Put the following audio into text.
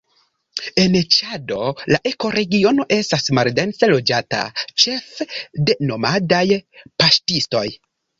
En Ĉado la ekoregiono estas maldense loĝata, ĉefe de nomadaj paŝtistoj.